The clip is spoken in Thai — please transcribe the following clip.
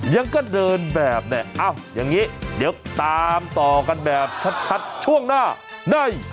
ยังก็เดินแบบเนี่ยอ้าวอย่างนี้เดี๋ยวตามต่อกันแบบชัดช่วงหน้าใน